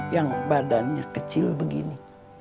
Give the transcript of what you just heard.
yang badannya kecil begini